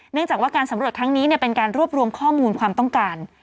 เนื่องจากว่าการสำรวจครั้งนี้เป็นการรวบรวมข้อมูลความต้องการ